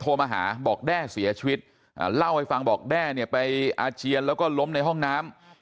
โทรมาหาบอกแด้เสียชีวิตเล่าให้ฟังบอกแด้เนี่ยไปอาเจียนแล้วก็ล้มในห้องน้ำ